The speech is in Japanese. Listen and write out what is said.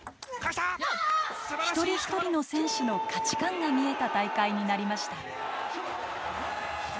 一人一人の選手の価値観が見えた大会になりました。